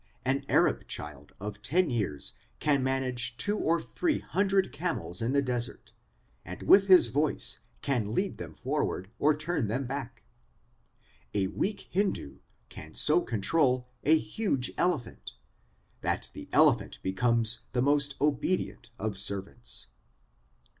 An Arab child of ten years can manage two or three hundred camels in the desert, and with his voice can lead them forward or turn them back. A weak Hindu can so control a huge elephant, that the elephant becomes the most obedient of servants.